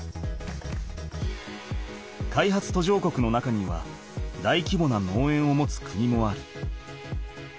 開発途上国の中にはだいきぼな農園を持つ国もある。